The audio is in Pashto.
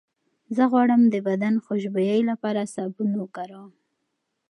زه غواړم د بدن خوشبویۍ لپاره سابون وکاروم.